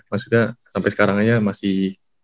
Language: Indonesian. maksudnya sampai sekarang aja masih